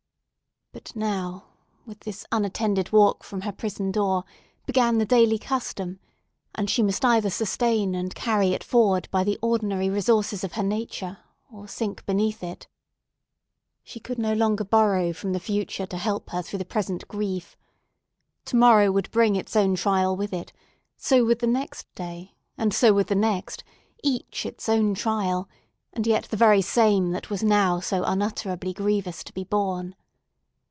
But now, with this unattended walk from her prison door, began the daily custom; and she must either sustain and carry it forward by the ordinary resources of her nature, or sink beneath it. She could no longer borrow from the future to help her through the present grief. Tomorrow would bring its own trial with it; so would the next day, and so would the next: each its own trial, and yet the very same that was now so unutterably grievous to be borne.